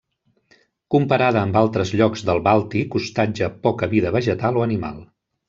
Comparada amb altres llocs del Bàltic hostatja poca vida vegetal o animal.